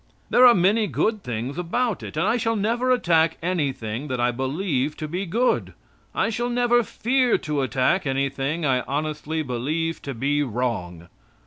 There are many good things about it, and I shall never attack anything that I believe to be good! I shall never fear to attack anything I honestly believe to be wrong.